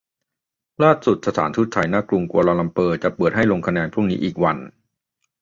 ล่าสุดสถานทูตไทยณ.กรุงกัวลาลัมเปอร์จะเปิดให้ลงคะแนนพรุ่งนี้อีกวัน